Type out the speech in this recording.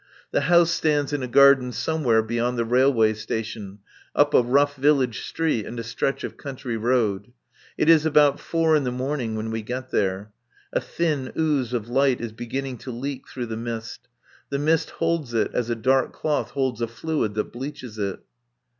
The house stands in a garden somewhere beyond the railway station, up a rough village street and a stretch of country road. It is about four in the morning when we get there. A thin ooze of light is beginning to leak through the mist. The mist holds it as a dark cloth holds a fluid that bleaches it.